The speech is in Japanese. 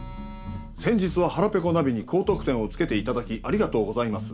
「先日ははらぺこナビに高得点をつけて頂きありがとうございます」